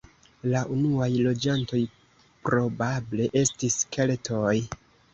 La unuaj loĝantoj probable estis keltoj.